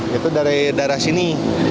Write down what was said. itu dari daerah sini